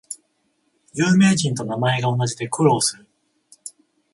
有名人と名前が同じで苦労する